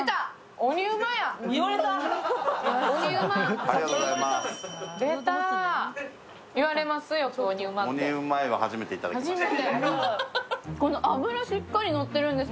鬼うまいは初めていただきました。